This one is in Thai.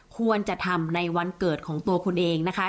ควรจะทำในวันเกิดของตัวคุณเองนะคะ